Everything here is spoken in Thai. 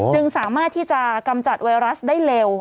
จึงสามารถที่จะกำจัดไวรัสได้เร็ว